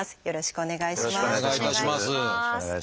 よろしくお願いします。